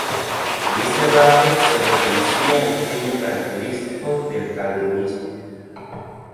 En este rasgo se reconocía el genio característico del calvinismo.